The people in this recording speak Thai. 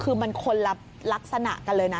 คือมันคนละลักษณะกันเลยนะ